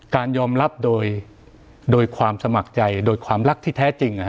การยอมรับโดยความสมัครใจโดยความรักที่แท้จริง